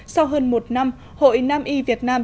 sau hơn một năm hội nam y việt nam